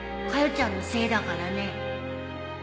ちゃんのせいだからね